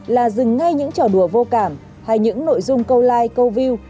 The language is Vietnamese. là dừng ngay những trò đùa vô cảm hay những nội dung câu like câu view